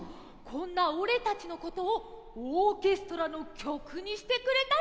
こんな俺たちのことをオーケストラの曲にしてくれた人がいんだって。